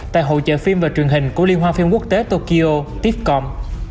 tại hội trợ phim và truyền hình của liên hoan phim quốc tế tokyo tiffcom